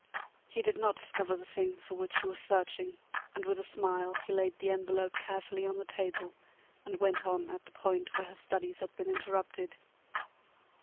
He did not discover the thing for which he was searching, and with a smile he laid the envelope carefully on the table, and went on at the point where his studies had been interrupted.